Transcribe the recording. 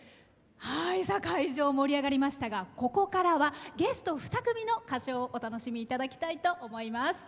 会場、盛り上がりましたがここからはゲスト２組の歌唱をお楽しみいただきたいと思います。